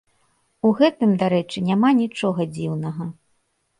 У гэтым, дарэчы, няма нічога дзіўнага.